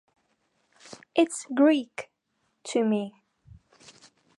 It's Greek to me!